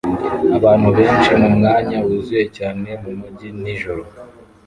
Abantu benshi mumwanya wuzuye cyane mumujyi nijoro